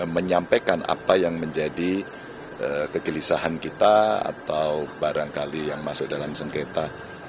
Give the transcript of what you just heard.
menyampaikan apa yang menjadi kegelisahan kita atau barangkali yang masuk dalam sengketa